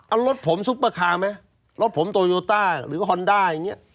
เอารถผมซุปเปอร์คาร์ไหมรถผมโตโยต้าหรือฮอนด้าอย่างนี้